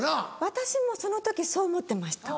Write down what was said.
私もその時そう思ってました。